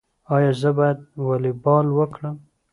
ایا زه باید والیبال وکړم؟